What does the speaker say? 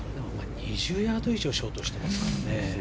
２０ヤード以上ショートしてますからね。